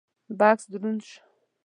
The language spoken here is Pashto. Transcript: بکس دروند شو: